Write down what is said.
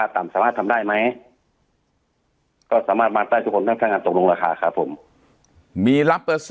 ที่งานไม่ได้